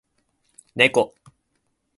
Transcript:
ねこ